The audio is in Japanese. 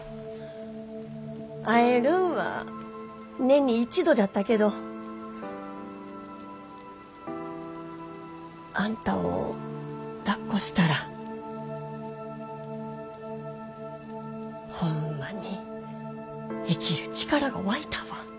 会えるんは年に一度じゃったけどあんたをだっこしたらホンマに生きる力が湧いたわ。